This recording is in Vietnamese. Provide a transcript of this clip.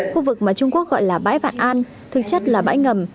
khu vực mà trung quốc gọi là bãi vạn an thực chất là bãi ngầm